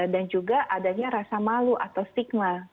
dan juga adanya rasa malu atau stigma